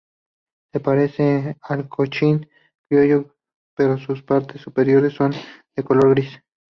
Se parece al chochín criollo pero sus partes superiores son de color gris.